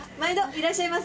いらっしゃいませ。